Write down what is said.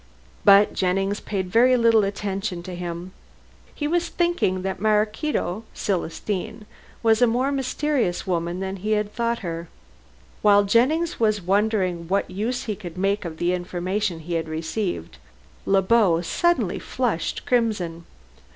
But Jennings paid very little attention to him. He was thinking that Maraquito Celestine was a more mysterious woman than he had thought her. While Jennings was wondering what use he could make of the information he had received, Le Beau suddenly flushed crimson.